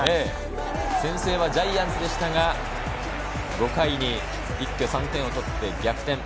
先制はジャイアンツでしたが、５回に一挙３点を取って逆転。